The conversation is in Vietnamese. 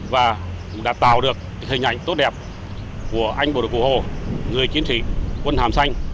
và cũng đã tạo được hình ảnh tốt đẹp của anh bộ đội vụ hồ người chiến sĩ quân hàm xanh